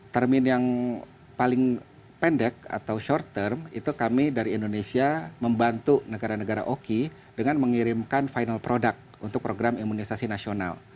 termin yang paling pendek atau short term itu kami dari indonesia membantu negara negara oki dengan mengirimkan final product untuk program imunisasi nasional